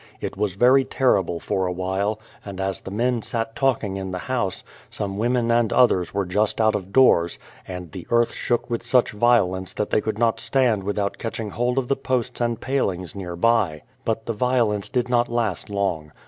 It was very terrible for a while, and as the men sat talking in the house, some women and others were just out of doors, and the earth shook with such violence that they could not stand without catching hold of the posts and palings near by. But the violence did not last long.